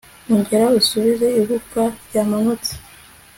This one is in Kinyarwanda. ongera usubize igufwa ryamanutse